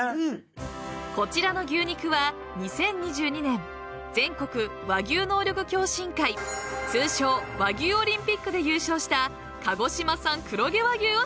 ［こちらの牛肉は２０２２年全国和牛能力共進会通称和牛オリンピックで優勝した鹿児島産黒毛和牛を使用］